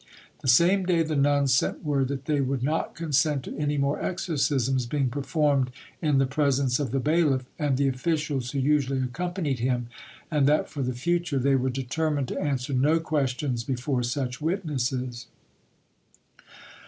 The same day the nuns sent word that they would not consent to any more exorcisms being performed in the presence of the bailiff and the officials who usually accompanied him, and that for the future they were determined to answer no questions before such witnesses.